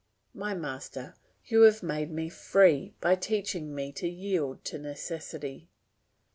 My master, you have made me free by teaching me to yield to necessity.